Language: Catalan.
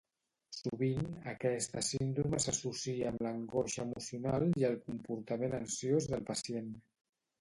Sovint, aquesta síndrome s'associa amb l'angoixa emocional i el comportament ansiós del pacient.